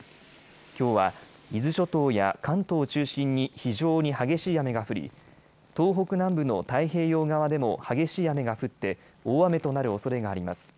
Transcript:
きょうは伊豆諸島や関東を中心に非常に激しい雨が降り、東北南部の太平洋側でも激しい雨が降って、大雨となるおそれがあります。